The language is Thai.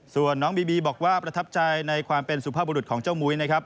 ส่วนน้องบีบีบอกว่าประทับใจในความเป็นสุภาพบุรุษของเจ้ามุ้ยนะครับ